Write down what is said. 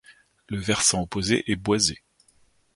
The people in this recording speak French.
Le versant opposé est boisé.